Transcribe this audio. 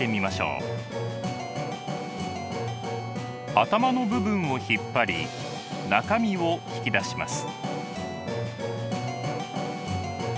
頭の部分を引っ張り中身を引き出します。